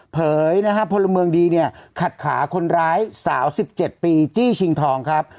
เผยนะฮะพลเมืองดีเนี่ยขาขนร้ายสาวสิบเจ็ดปีจี้ชิงทองครับ